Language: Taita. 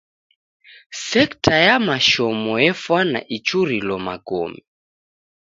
Sekta ya mashomo efwana ichurilo magome.